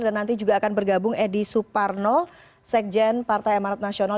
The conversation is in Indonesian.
dan nanti juga akan bergabung edy suparno sekjen partai amanat nasional